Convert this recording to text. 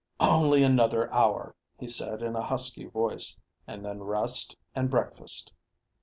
"Only another hour," he said, in a husky voice, "and then rest and breakfast."